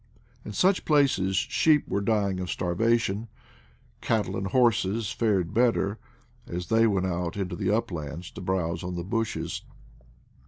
In such places sheep were dying of starvation: 36 IDLE DATS IN PATAGONIA > cattle and horses fared better, as they went out into the uplands to browse on the bushes.